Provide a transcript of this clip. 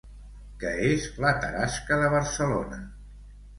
Què és la Tarasca de Barcelona?